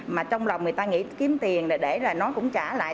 mà trong lòng người ta nghĩ kiếm tiền để nó cũng trả lại